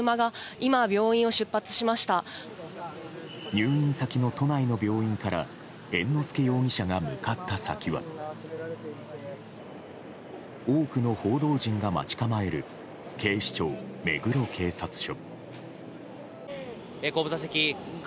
入院先の都内の病院から猿之助容疑者が向かった先は多くの報道陣が待ち構える警視庁目黒警察署。